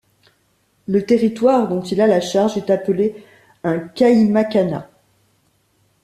Le territoire dont il a la charge est appelé un caïmacanat.